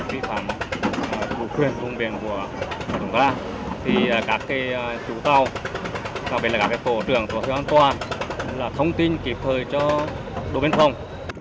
bị phản bụi khuyên vùng biển của trung quốc thì các chú tàu các tổ trưởng tổ chức an toàn là thông tin kịp thời cho đồn biên phòng